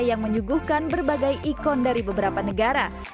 yang menyuguhkan berbagai ikon dari beberapa negara